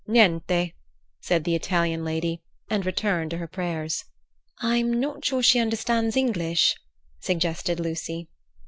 "Niente," said the Italian lady, and returned to her prayers. "I'm not sure she understands English," suggested Lucy.